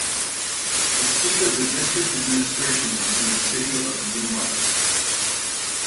The seat of the district administration was in the city of Neumark.